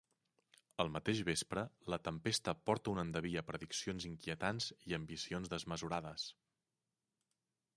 El mateix vespre, la tempesta porta un endeví a prediccions inquietants i ambicions desmesurades.